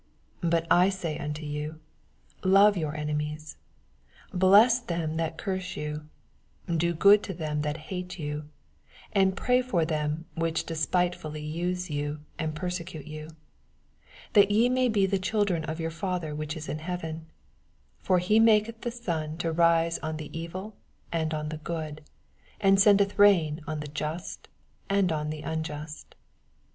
44 Bat I say anto yon, Love yoar enemies, bless them that carse yon^ do good, to them that hAte yon, and pray for them which despitefolly ase yon, and persecate yon ; 45 That ye may be the children of voar Father which is in heaven : for he maketh his snn to rise on the evil and on the good, and sendeth rain on the just ana on the n^jast.